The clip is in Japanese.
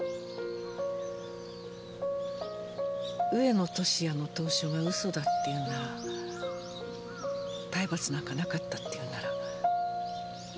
上野俊哉の投書がウソだって言うなら体罰なんかなかったって言うなら。